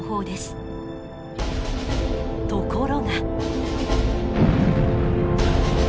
ところが。